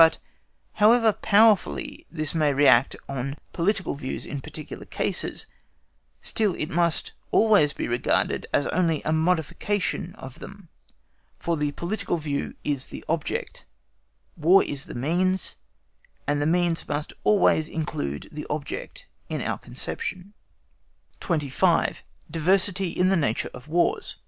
But however powerfully this may react on political views in particular cases, still it must always be regarded as only a modification of them; for the political view is the object, War is the means, and the means must always include the object in our conception. 25. DIVERSITY IN THE NATURE OF WARS.